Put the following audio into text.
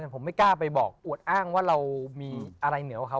ผมไม่กล้าไปบอกอวดอ้างว่าเรามีอะไรเหนือกว่าเขา